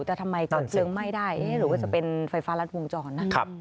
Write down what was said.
แต่ทำไมเกิดเพลิงไหม้ได้หรือว่าจะเป็นไฟฟ้ารัดวงจรนะ